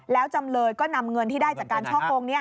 แล้วจำเลยก็นำเงินที่ได้จากการช่อกง